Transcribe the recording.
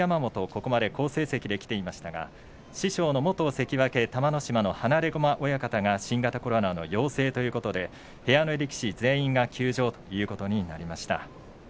ここまで好成績できていましたが師匠の元関脇玉乃島の放駒親方が新型コロナウイルス陽性ということで部屋の力士全員が休場ということになりました。